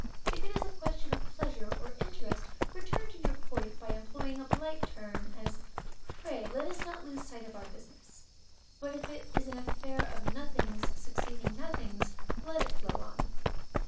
If it is a question of pleasure or interest, return to your point by employing a polite turn, as, Pray let us not lose sight of our business. But if it is an affair of nothings succeeding nothings, let it flow on.